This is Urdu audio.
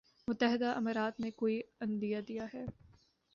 متحدہ امارات نے کوئی عندیہ دیا ہے۔